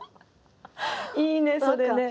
いいねそれね。